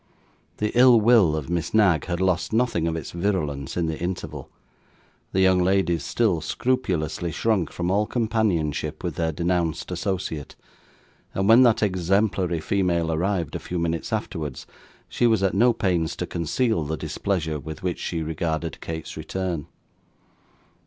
The ill will of Miss Knag had lost nothing of its virulence in the interval. The young ladies still scrupulously shrunk from all companionship with their denounced associate; and when that exemplary female arrived a few minutes afterwards, she was at no pains to conceal the displeasure with which she regarded Kate's return.